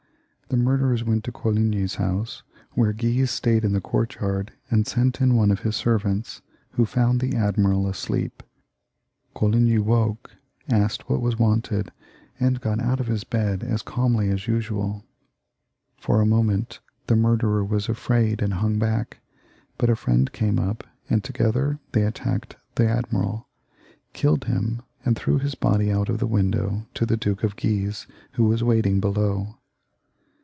The murderers went to Coligny's house, where Guise stayed in the courtyard and sent in one of his servants, who found the admiral asleep. Coligny woke, asked what was wanted, and got out of his bed as calmly as usual. For a moment the murderer was afraid and hung back; but a friend came up, and together they attacked the admiral, killed him, and threw his body out of the window to the Duke of Guise, who was waiting below.